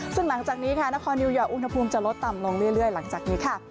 ซึ่งหลังจากนี้ค่ะนครนิวยอร์กอุณหภูมิจะลดต่ำลงเรื่อยหลังจากนี้ค่ะ